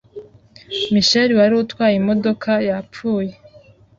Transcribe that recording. Michel wari utwaye imodokayapfuye